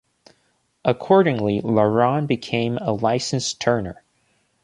Accordingly, Laron became a licensed turner.